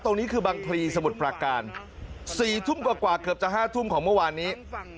ตรงนี้คือบางพลีสมุทรปราการ๔ทุ่มกว่าเกือบจะ๕ทุ่มของเมื่อวานนี้